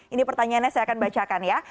ini pertanyaannya saya akan bacakan ya